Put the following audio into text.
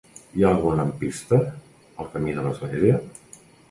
Hi ha algun lampista al camí de l'Església?